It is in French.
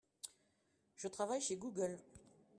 Je travaille chez Google.